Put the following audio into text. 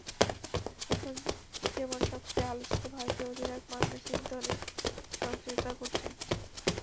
এখন যেমন সবচেয়ে আলোচিত ভারতীয় অধিনায়ক মহেন্দ্র সিং ধোনির সংশ্লিষ্টতার গুঞ্জন।